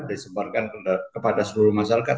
disembar kan kepada seluruh masyarakat